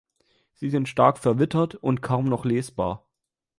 Sie sind stark verwittert und kaum noch lesbar.